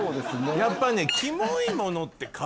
やっぱね。